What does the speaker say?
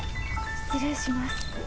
失礼します。